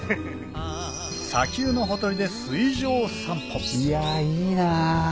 砂丘のほとりで水上散歩いやいいな。